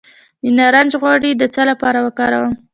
د نارنج غوړي د څه لپاره وکاروم؟